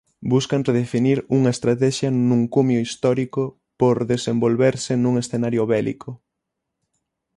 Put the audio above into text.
Buscan redefinir unha estratexia nun cumio histórico por desenvolverse nun escenario bélico.